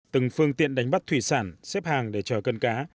từng phương tiện đánh bắt thủy sản xếp hàng để chờ cân cá